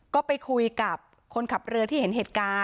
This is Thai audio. ก็ไปคุยกับคนขับเรือที่เห็นเหตุการณ์